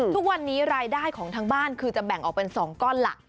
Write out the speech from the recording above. ทุกวันนี้รายได้ของทางบ้านคือจะแบ่งออกเป็น๒ก้อนหลัก